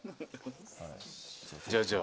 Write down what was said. じゃあじゃあ。